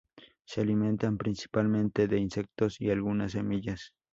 Se alimentan principalmente de insectos, y algunas semillas.